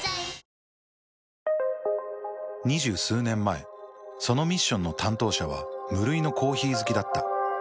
２０数年前そのミッションの担当者は無類のコーヒー好きだった。